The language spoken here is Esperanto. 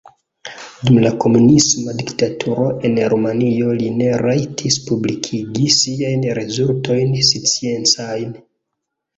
Dum la komunisma diktaturo en Rumanio li ne rajtis publikigi siajn rezultojn sciencajn.